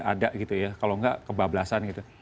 ada gitu ya kalau nggak kebablasan gitu